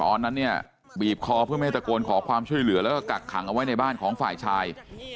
ตอนนั้นเนี่ยบีบคอเพื่อไม่ให้ตะโกนขอความช่วยเหลือแล้วก็กักขังเอาไว้ในบ้านของฝ่ายชาย